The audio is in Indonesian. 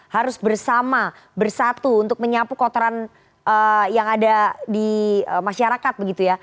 harus bersama bersatu untuk menyapu kotoran yang ada di masyarakat begitu ya